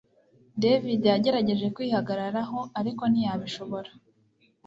David yagerageje kwihagararaho ariko ntiyabishobora